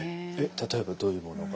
例えばどういうものが？